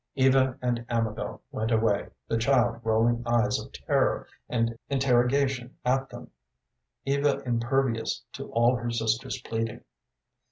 Eva and Amabel went away, the child rolling eyes of terror and interrogation at them, Eva impervious to all her sister's pleading.